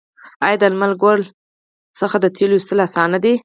آیا د لمر ګل څخه د تیلو ایستل اسانه دي؟